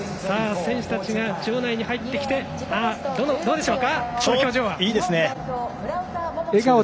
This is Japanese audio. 選手たちが場内に入ってきてどうでしょうか。